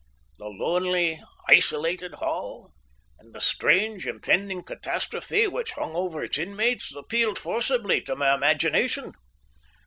The lonely, isolated Hall, and the strange, impending catastrophe which hung over its inmates, appealed forcibly to my imagination.